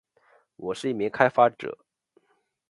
我是一名开发者